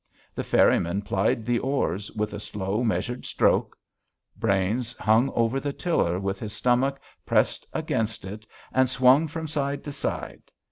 The ferrymen plied the oars with a slow measured stroke; Brains hung over the tiller with his stomach pressed against it and swung from side to side.